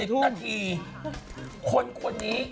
เรลวก็แบบนี้